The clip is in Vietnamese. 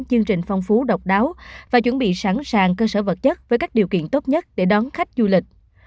chương trình phong phú độc đáo và chuẩn bị sẵn sàng cơ sở vật chất với các điều kiện tốt nhất để đón khách du lịch